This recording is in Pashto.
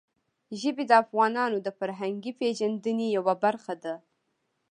ژبې د افغانانو د فرهنګي پیژندنې یوه برخه ده.